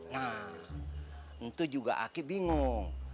nah itu juga aki bingung